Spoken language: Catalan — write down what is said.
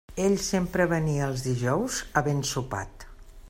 Ell sempre venia els dijous havent sopat.